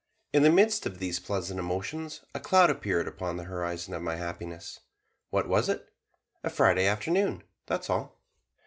In the midst of these pleasant emotions, a cloud appeared upon the horizon of my happiness. What was it? A Friday Afternoon, that's all.